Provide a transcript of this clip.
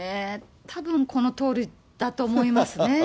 たぶん、このとおりだと思いますね。